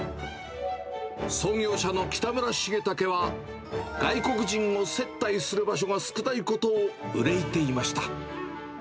創業者の北村重威は、外国人を接待する場所が少ないことを憂いていました。